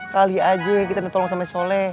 kali aja kita minta tolong sama si soleh